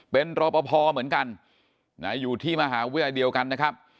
เป็นรอปภเหมือนกันอยู่ที่มหาวิทยาลัยเดียวกันนะครับ